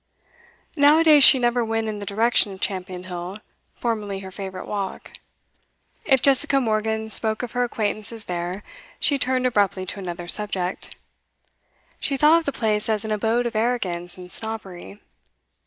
Now a days she never went in the direction of Champion Hill, formerly her favourite walk. If Jessica Morgan spoke of her acquaintances there, she turned abruptly to another subject. She thought of the place as an abode of arrogance and snobbery.